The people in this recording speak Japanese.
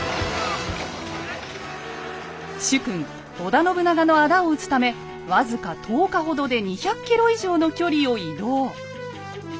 主君織田信長の仇を討つため僅か１０日ほどで２００ｋｍ以上の距離を移動。